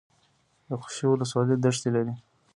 د خوشي ولسوالۍ دښتې لري